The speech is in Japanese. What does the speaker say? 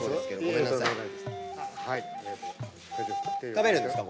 食べるんですか？